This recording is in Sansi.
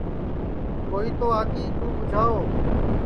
کوئی تو آگی کُو ٻُوجھاؤ